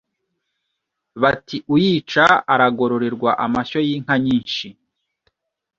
Bati Uyica aragororerwa amashyo yinka nyinshi